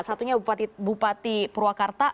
satunya bupati purwakarta